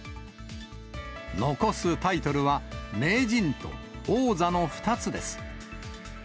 残すタイトルは名人と王座の２つです。